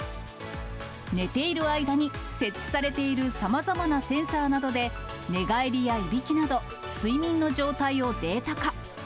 寝ている間に、設置されているさまざまなセンサーなどで、寝返りやいびきなど、睡眠の状態をデータ化。